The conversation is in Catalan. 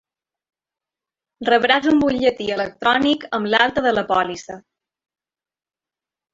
Rebràs un butlletí electrònic amb l'alta de la pòlissa.